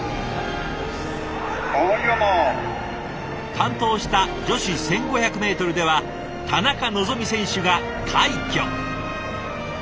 担当した女子１５００メートルでは田中希実選手が快挙。